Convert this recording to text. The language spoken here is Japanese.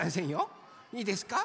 いいですか？